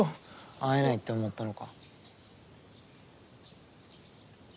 会えないって思ったのか？